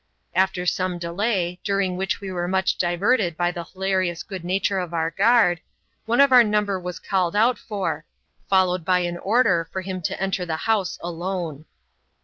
After some delay, during which we were much diverted by the hilarious good nature of our guard — one of our number was called out for, followed by an order for him to enter the house alone.